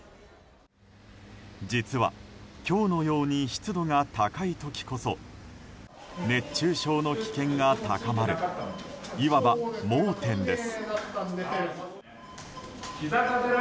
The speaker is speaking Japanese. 実は今日のように湿度が高い時こそ熱中症の危険が高まるいわば盲点です。